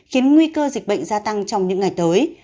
khiến nguy cơ dịch bệnh gia tăng trong những ngày tới